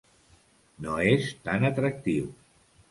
No és tan atractiu.